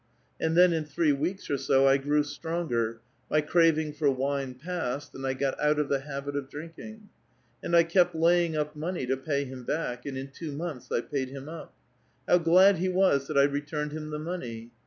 And then in three weeks or so I grew stronger ; my craving for wine passed, and I got out of the habit of drinking. And I kept laying up mone}* to pay him back, and in two months I paid him u[). How glad he was that I returned him the money.